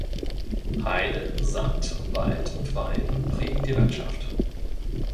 Heide, Sand, Wald und Weiden prägen die Landschaft.